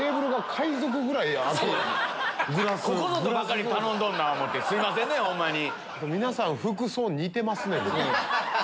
ここぞとばかり頼んどるな思うてすいませんねホンマに。